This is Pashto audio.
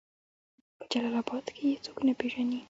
په جلال آباد کې يې څوک نه پېژني